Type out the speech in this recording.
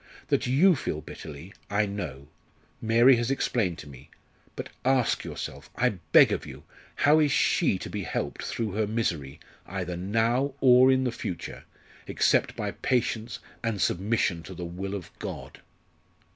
That you feel bitterly, I know. Mary has explained to me but ask yourself, I beg of you! how is she to be helped through her misery, either now or in the future, except by patience and submission to the will of God?"